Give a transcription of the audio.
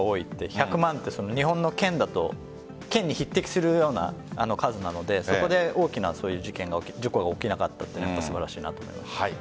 １００万って日本の県に匹敵するような数なのでそこで大きな事件が起きなかったというのは素晴らしいなと思います。